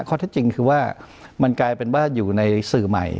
ข้อเท็จจริงคือว่ามันกลายเป็นว่าอยู่ในสื่อใหม่